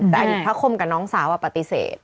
แต่อดีตพระคมกับน้องสาวปฏิเสธ